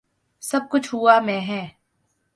سب کچھ ہوا میں ہے۔